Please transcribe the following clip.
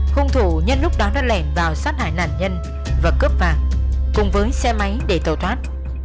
hung thủ nhân lúc đó đã lẻn vào sát hại nạn nhân và cướp vàng cùng với xe máy để tàu thoát